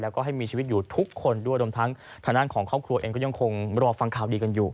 แล้วก็ให้มีชีวิตอยู่ทุกคนด้วยรวมทั้งทางด้านของครอบครัวเองก็ยังคงรอฟังข่าวดีกันอยู่